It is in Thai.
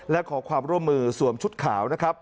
และขอความร่วมมือสวมชุดขาวนะครับ